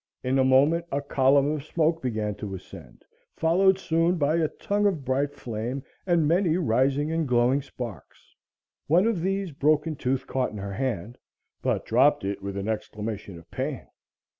In a moment a column of smoke began to ascend, followed soon by a tongue of bright flame and many rising and glowing sparks. One of these Broken Tooth caught in her hand, but dropped it with an exclamation of pain.